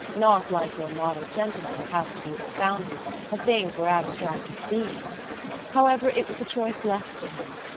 Not like your model gentleman, that has to be expounded a thing for abstract esteem! However, it was the choice left to him.